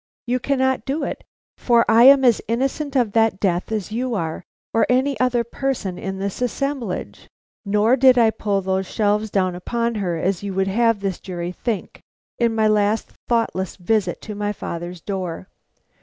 You cannot do it, for I am as innocent of that death as you are, or any other person in this assemblage. Nor did I pull those shelves down upon her as you would have this jury think, in my last thoughtless visit to my father's door.